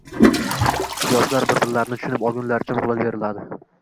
Yoshlar bir-birlarini tushunib olgunlaricha muhlat beriladi.